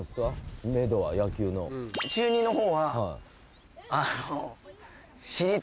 中２の方はあの。